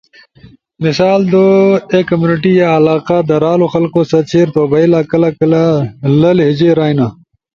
مثال طور در ایک کمیونٹی یا علاقہ در دھرالو خلقو ست شیئر تھو بئیلا۔ کلہ کلہ لی لہجے رائینا۔